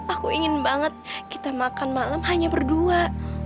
aku ingin banget kita makan malam hanya berdua